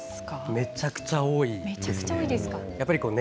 めちゃくちゃ多いですね。